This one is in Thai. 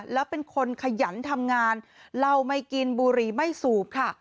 แล้วเป็นคนขยันทำงานเหล้าไม่กินบุหรี่ไม่สูบค่ะ